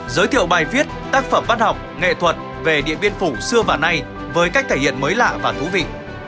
giới thiệu bài viết tác phẩm văn học nghệ thuật về điện biên phủ xưa và nay với cách thể hiện mới lạ và thú vị